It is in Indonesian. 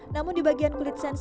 namun di bagian kulit sens